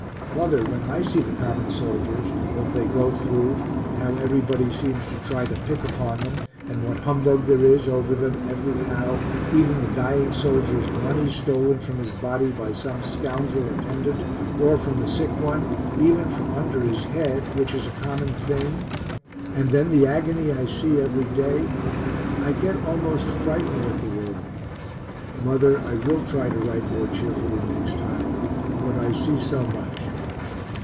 Mother, when I see the common soldiers, what they go through, and how everybody seems to try to pick upon them, and what humbug there is over them every how, even the dying soldier's money stolen from his body by some scoundrel attendant, or from [the] sick one, even from under his head, which is a common thing, and then the agony I see every day, I get almost frightened at the world. Mother, I will try to write more cheerfully next time but I see so much.